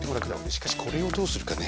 しかしこれをどうするかね。